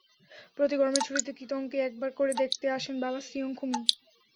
প্রতি গরমের ছুটিতে কীতংকে একবার করে দেখতে আসেন বাবা সিয়ং খুমী।